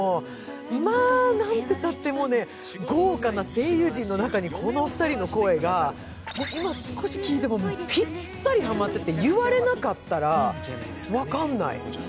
まあ、なんてったって豪華な声優陣の中にこの２人の声が、今少し聞いてもぴったりはまってて言われなかったら分からない。